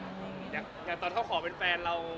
อยากตอนที่เขาขอเป็นแฟนเรา